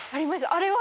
あれは。